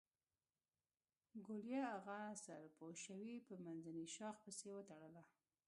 ګوليه اغه سر پوشوې په منځني شاخ پسې وتړه.